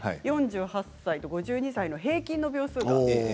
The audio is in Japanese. ４８歳と５２歳の平均の秒数です。